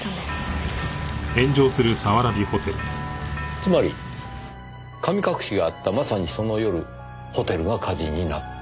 つまり神隠しがあったまさにその夜ホテルが火事になった。